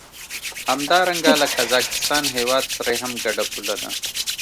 همدارنګه له قزاقستان هېواد سره یې هم ګډه پوله ده.